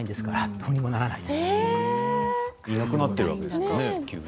急にいなくなっているわけですよね。